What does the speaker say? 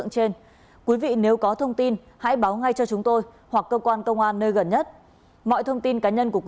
xin chào các bạn